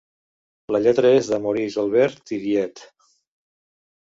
La lletra és de Maurice Albert Thiriet.